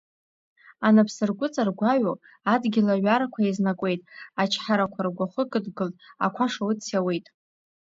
Анапсыргәыҵа ргәаҩо, адгьыл аҩарқәа еизнакуеит, ачҳарақәа ргәахы кыдгылт, ақәа шауц иауеит…